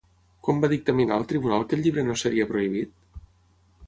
Quan va dictaminar el tribunal que el llibre no seria prohibit?